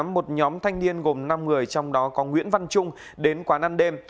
một nhóm thanh niên gồm năm người trong đó có nguyễn văn trung đến quán ăn đêm